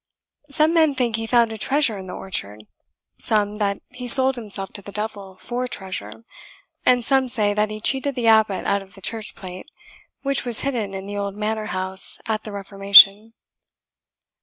Some men think he found a treasure in the orchard, some that he sold himself to the devil for treasure, and some say that he cheated the abbot out of the church plate, which was hidden in the old Manor house at the Reformation.